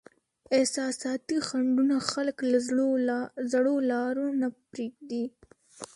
احساساتي خنډونه خلک له زړو لارو نه پرېږدي.